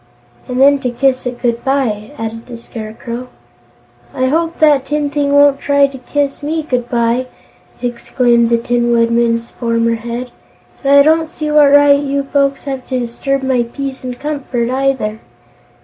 "And then to kiss it good bye," added the Scarecrow. "I hope that tin thing won't try to kiss me good bye!" exclaimed the Tin Woodman's former head. "And I don't see what right you folks have to disturb my peace and comfort, either."